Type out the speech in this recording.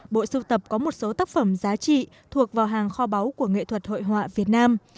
bộ sưu tập có một số tác phẩm giá trị thuộc vào hàng kho báu của nghệ thuật hội họa việt nam